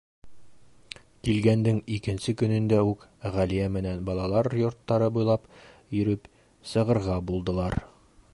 Килгәндең икенсе көнөндә үк Ғәлиә менән балалар йорттары буйлап йөрөп сығырға булдылар.